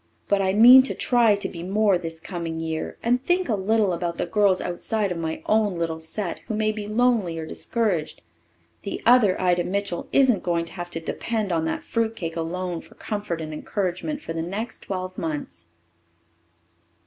But I mean to try to be more this coming year and think a little about the girls outside of my own little set who may be lonely or discouraged. The other Ida Mitchell isn't going to have to depend on that fruit cake alone for comfort and encouragement for the next twelve months."